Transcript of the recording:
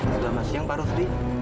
selama siang pak rufri